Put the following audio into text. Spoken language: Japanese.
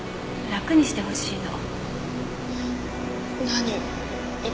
楽にしてほしいの。